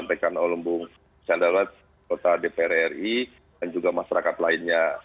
prinsipnya kami mengapresiasi siapapun apalagi sampaikan oleh bung saleh dpr ri dan juga masyarakat lainnya